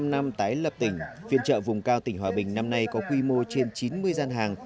một mươi năm năm tái lập tỉnh phiên chợ vùng cao tỉnh hòa bình năm nay có quy mô trên chín mươi gian hàng